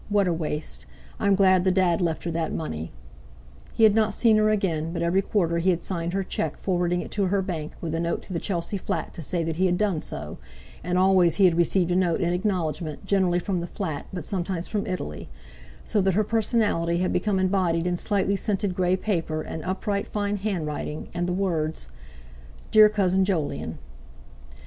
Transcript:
What a waste! I'm glad the Dad left her that money." He had not seen her again, but every quarter he had signed her cheque, forwarding it to her bank, with a note to the Chelsea flat to say that he had done so; and always he had received a note in acknowledgment, generally from the flat, but sometimes from Italy; so that her personality had become embodied in slightly scented grey paper, an upright fine handwriting, and the words, "Dear Cousin Jolyon."